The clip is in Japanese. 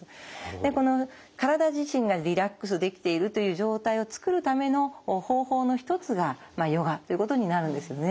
でこの体自身がリラックスできているという状態をつくるための方法の一つがヨガっていうことになるんですね。